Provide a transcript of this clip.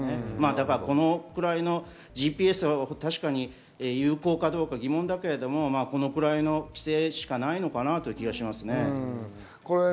このくらいのＧＰＳ、有効かどうかは疑問ですけれども、これくらいの規制しかないのかなという気がしますね。